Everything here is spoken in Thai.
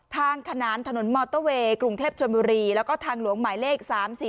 ขนานถนนมอเตอร์เวย์กรุงเทพชนบุรีแล้วก็ทางหลวงหมายเลข๓๔๔